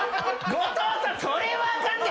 後藤さんそれはあかんで！